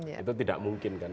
itu tidak mungkin